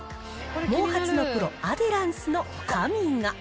毛髪のプロ、アデランスのカミガ